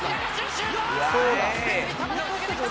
シュート！